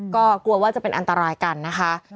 ก็กลัวว่าจะเป็นอันตรายกันนะคะ